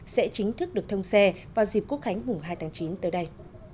sẽ chính thức được thông xe vào dịp quốc khánh mùng hai tháng chín tới đây